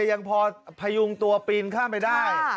ยังพอพยุงตัวปีนข้ามไปได้